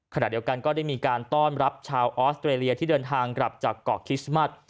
ขณะเดียวกันก็ได้มีการต้อนรับชาวออสเตรเลียที่เดินทางกลับจากเกาะคริสต์มัส